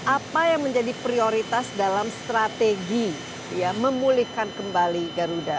apa yang menjadi prioritas dalam strategi memulihkan kembali garuda